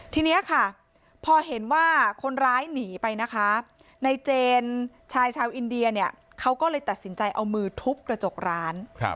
ทีนี้ค่ะพอเห็นว่าคนร้ายหนีไปนะคะในเจนชายชาวอินเดียเนี่ยเขาก็เลยตัดสินใจเอามือทุบกระจกร้าน